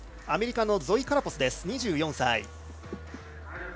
アメリカのゾイ・カラポス２４歳。